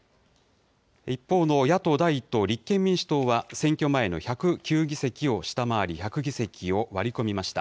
一方の野党第１党、立憲民主党は、選挙前の１０９議席を下回り１００議席を割り込みました。